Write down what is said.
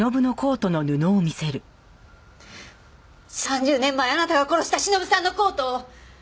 ３０年前あなたが殺した忍さんのコートを！